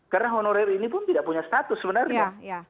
karena honorer ini pun tidak punya status sebenarnya